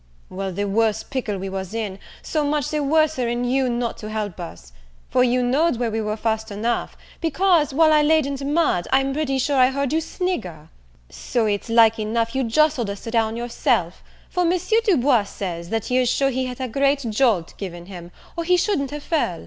"Well, the worse pickle we was in, so much the worser in you not to help us; for you knowed where we were fast enough, because, while I laid in the mud, I'm pretty sure I heard you snigger: so it's like enough you jostled us down yourself; for Monsieur Du Bois says, that he is sure he had a great jolt given him, or he shouldn't have fell."